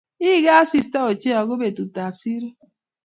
like asista ochei ago betutab siro